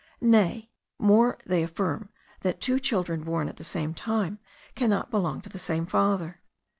Nay, more, they affirm that two children born at the same time cannot belong to the same father.